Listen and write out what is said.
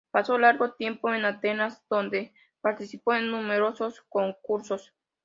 Pasó largo tiempo en Atenas, donde participó en numerosos concursos.